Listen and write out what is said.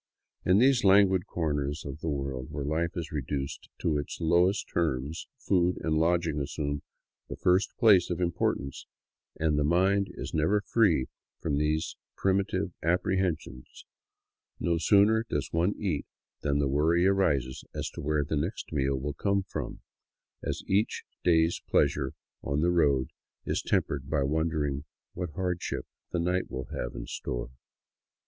In these languid corners of the world where life is reduced to its lowest terms food and lodging assume the first place of importance, and the mind is never free from these primitive apprehensions ; no sooner does one eat than the worry arises as to wdiere the next meal will come from, as each day's pleasure on the road is tempered by wondering what hardship the night will have in store.